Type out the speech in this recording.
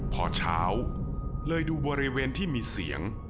พอเช้าเลยดูบริเวณที่มีเสียง